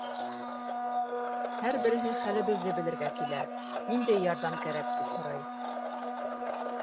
Һәр береһе хәлебеҙҙе белергә кйлә, ниндәй ярҙам кәрәк, тип һорай.